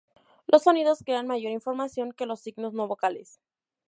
Los sonidos crean mayor información que los signos no vocales.